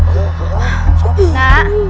sudah sudah diamlah